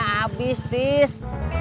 aduh baterainya abis tis